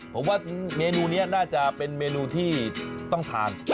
ผมว่าเมนูนี้น่าจะเป็นเมนูที่ต้องทาน